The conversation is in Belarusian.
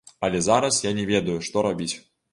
Але зараз я не ведаю, што рабіць.